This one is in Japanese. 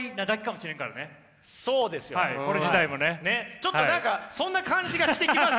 ちょっと何かそんな感じがしてきました